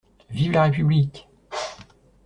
Vive la République!